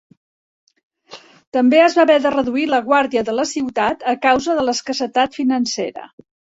També es va haver de reduir la guàrdia de la ciutat a causa de l'escassetat financera.